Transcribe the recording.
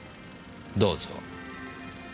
どうぞ。